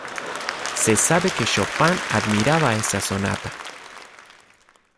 Se sabe que Chopin admiraba esa sonata.